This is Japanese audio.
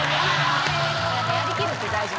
やりきるって大事。